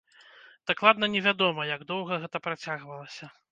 Дакладна невядома, як доўга гэта працягвалася.